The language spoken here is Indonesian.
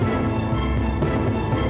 aduh tanya sesuatu